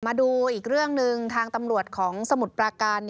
มาดูอีกเรื่องหนึ่งทางตำรวจของสมุทรปราการ